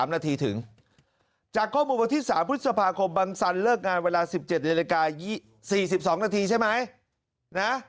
๒๓นาทีถึงจากก้มอุปสรรคพฤษภาคมบางสันเลิกงานเวลา๑๗นาที๔๒นาทีใช่ไหม